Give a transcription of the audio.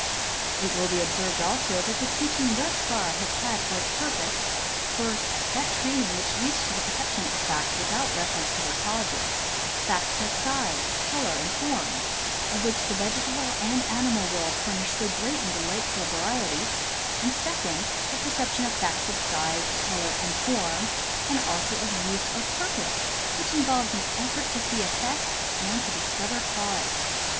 It will be observed also that the teaching thus far has had for its purpose, first, that training which leads to the perception of facts without reference to their causes— facts of size, color and form, of which the vegetal and animal world furnish so great and so delightful a variety, — and second, the perception of facts of size, color and form, and also of use or purpose, which involves an effort to see effect and to discover cause.